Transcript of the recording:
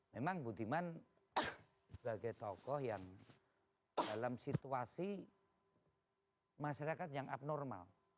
memang budiman sebagai tokoh yang dalam situasi masyarakat yang abnormal